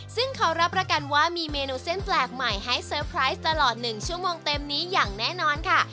ซึ่งเขารับประกันว่ามีเมนูเส้นแปลกใหม่ให้เตอร์ไพรส์ตลอด๑ชั่วโมงเต็มนี้อย่างแน่นอนค่ะ